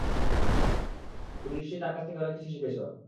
তুমি নিশ্চয়ই তার কাছ থেকে অনেক কিছু শিখেছ।